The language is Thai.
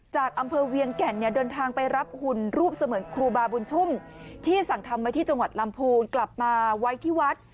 จากอำเภอเวียงแก่นเนี่ยเดินทางไปรับหุ่นรูปเสมือนครูบาบุญชุ่มที่สั่งทำไว้ที่จังหวัดลำพูนกลับมาไว้ที่วัด